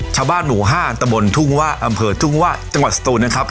ชาวบ้านหมู่๕ตะบนทุ่งว่าอำเภอทุ่งว่าจังหวัดสตูนนะครับ